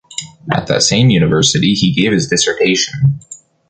At that same university, he gave his dissertation.